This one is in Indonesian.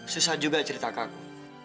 susah juga ceritakanku